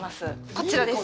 こちらです。